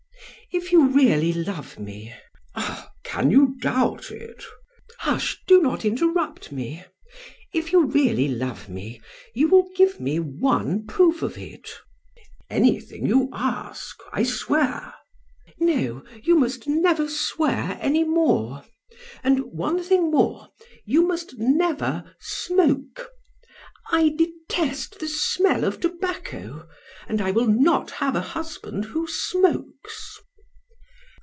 "If you really love me " "Ah, can you doubt it?" "Hush! do not interrupt me. If you really love me, you will give me one proof of it." "Anything you ask. I swear " "No, you must never swear any more; and, one thing more, you must never smoke. I detest the smell of tobacco, and I will not have a husband who smokes."